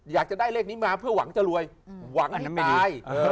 อยากจะได้เลขนี้มาเพื่อหวังจะรวยหวังให้ตาย